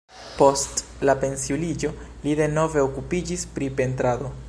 Post la pensiuliĝo li denove okupiĝis pri pentrado.